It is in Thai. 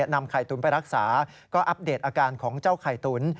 นำไข่ตุ๋นไปรักษาก็อัปเดตอาการของเจ้าไข่ตุ๋น